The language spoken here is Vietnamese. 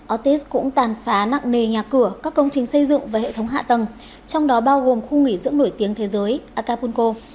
ortis cũng tàn phá nặng nề nhà cửa các công trình xây dựng và hệ thống hạ tầng trong đó bao gồm khu nghỉ dưỡng nổi tiếng thế giới acapulco